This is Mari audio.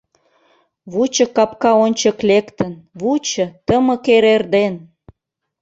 Вучо капка ончык лектын, Вучо тымык эр-эрден.